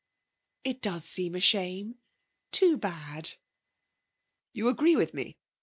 'It does seem a shame. Too bad.' 'You agree with me?